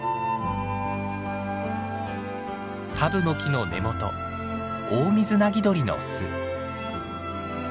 タブノキの根元オオミズナギドリの巣。